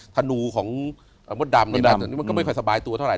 ธนูของมดดำเนี่ยมันก็ไม่ค่อยสบายตัวเท่าไหร่